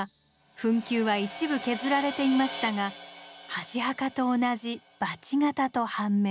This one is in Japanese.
墳丘は一部削られていましたが箸墓と同じバチ形と判明。